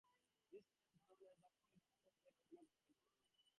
These plans, known as the Olivine project, did not eventuate.